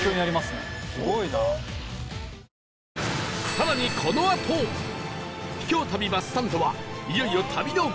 更にこのあと秘境旅バスサンドはいよいよ旅のゴール